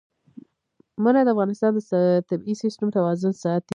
منی د افغانستان د طبعي سیسټم توازن ساتي.